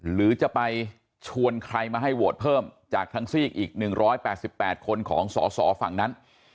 หรือจะไปชวนใครมาให้โหวตเพิ่มจากทั้งซีกอีก๑๘๘คนของสสฝั่งนั้น